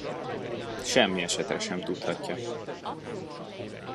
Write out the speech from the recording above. Semmi esetre sem tudhatja.